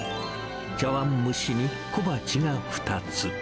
茶わん蒸しに小鉢が２つ。